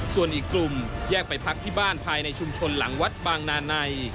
ส่วนอีกกลุ่มแยกไปพักที่บ้านภายในชุมชนหลังวัดบางนาใน